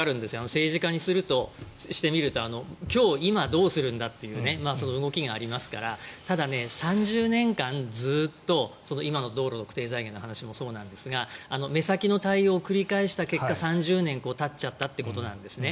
政治家にしてみると今日、今どうするんだという動きがありますからただ３０年間ずっと今の道路特定財源の話もそうなんですが目先の対応を繰り返した結果３０年たっちゃったということなんですね。